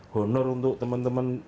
honor untuk teman teman